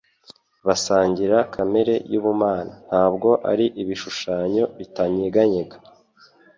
basangira kamere y'ubumana. Ntabwo ari ibishushanyo bitanyeganyega,